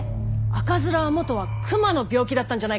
赤面は元は熊の病気だったんじゃないかって！